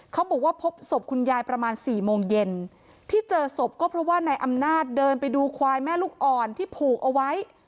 เขาบอกว่าพบศพคุณยายประมาณสี่โมงเย็นที่เจอศพก็เพราะว่านายอำนาจเดินไปดูควายแม่ลูกอ่อนที่ผูกเอาไว้